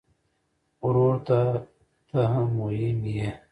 ورور ته ته مهم یې.